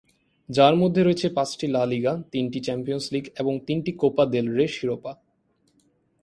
যার মধ্যে রয়েছে পাঁচটি লা লিগা, তিনটি চ্যাম্পিয়নস লীগ এবং তিনটি কোপা দেল রে শিরোপা।